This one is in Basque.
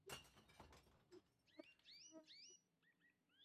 Horretarako, ekuazio diferentzialak eta deribatu partzialak aztertu zituen.